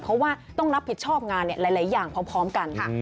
เพราะว่าต้องรับผิดชอบงานหลายอย่างพร้อมกันค่ะ